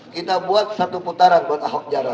kita buat satu putaran buat ahok jarot